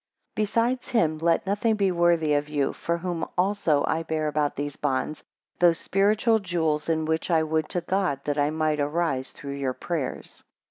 7 Besides him, let nothing be worthy of you; for whom also I bear about these bonds; those spiritual jewels, in which I would to God that I might arise through your prayers.